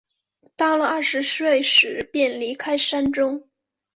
到了二十岁时便离开山中。